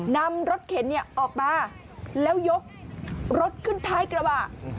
นำรถเข็นออกมาแล้วยกรถขึ้นท้ายกระบะ